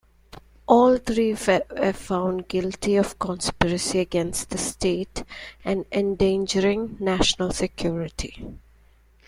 All three were found guilty of conspiracy against the state and endangering national security.